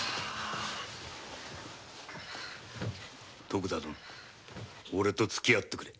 徳田殿オレとつきあってくれ。